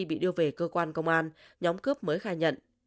bị đưa về cơ quan công an nhóm cướp mới khai nhận